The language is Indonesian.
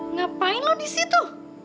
ngapain lo disitu